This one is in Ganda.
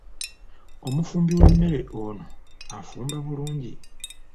Omufumbi w'emmere ono afumba bulungi.